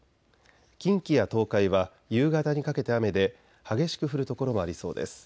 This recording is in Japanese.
近畿や東海は夕方にかけて雨で激しく降る所もありそうです。